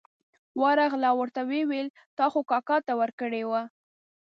ورغله او ورته یې وویل دا خو کاکا ته ورکړې وه.